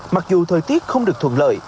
mặc dù thời tiết không được thuận lợi